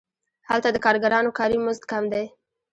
هلته د کارګرانو کاري مزد کم دی